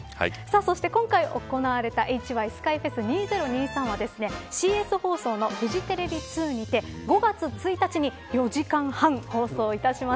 そして今回行われた、ＨＹＳＫＹＦｅｓ２０２３はＣＳ放送のフジテレビｔｗｏにて５月１日に４時間半放送いたします。